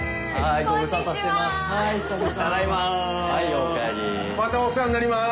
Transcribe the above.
またお世話になります。